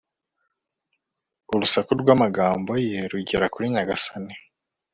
urusaku rw'amagambo ye rugere kuri nyagasani